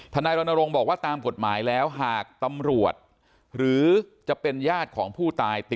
นายรณรงค์บอกว่าตามกฎหมายแล้วหากตำรวจหรือจะเป็นญาติของผู้ตายติด